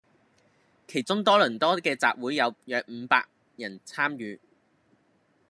其中多倫多既集會有約伍百人參與